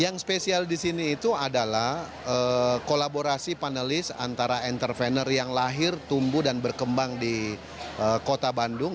yang spesial di sini itu adalah kolaborasi panelis antara entrepreneur yang lahir tumbuh dan berkembang di kota bandung